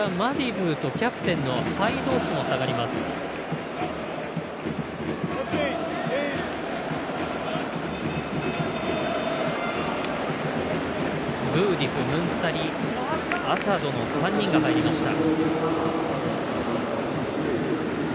ブーディフ、ムンタリアサドの３人が入りました。